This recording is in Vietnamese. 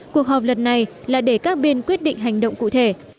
cuộc họp lần này là để các bên quyết định hành động cụ thể